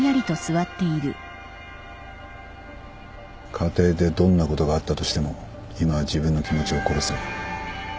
家庭でどんなことがあったとしても今は自分の気持ちを殺せ。